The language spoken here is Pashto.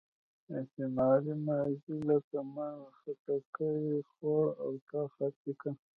استمراري ماضي لکه ما خټکی خوړ او تا خط لیکه.